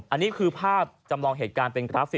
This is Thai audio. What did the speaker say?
อันนี้คือภาพจำลองเหตุการณ์เป็นกราฟิก